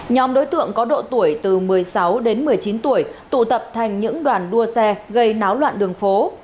nhóm đối tượng có độ tuổi từ một mươi sáu đến một mươi chín tuổi tụ tập thành những đoàn đua xe gây náo loạn đường phố